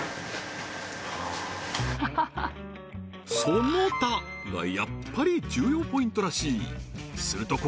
「その他」がやっぱり重要ポイントらしい